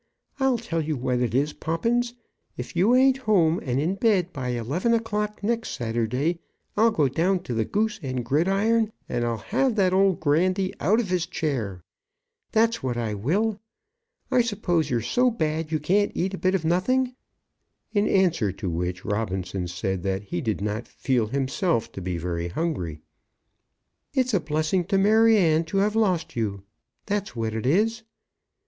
I'll tell you what it is, Poppins; if you ain't at home and in bed by eleven o'clock next Saturday, I'll go down to the 'Goose and Gridiron,' and I'll have that old Grandy out of his chair. That's what I will. I suppose you're so bad you can't eat a bit of nothing?" In answer to which, Robinson said that he did not feel himself to be very hungry. "It's a blessing to Maryanne to have lost you; that's what it is."